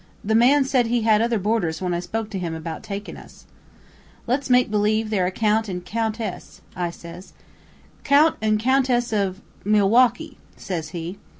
The man said he had other boarders when I spoke to him about takin' us.' "'Let's make believe they're a count an' count says I. 'Count an' Countess of ' "'Milwaukee,' says he.